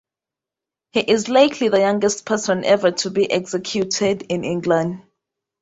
He is likely the youngest person ever to be executed in England.